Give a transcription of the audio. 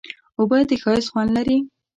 اوبه د ښایست خوند لري.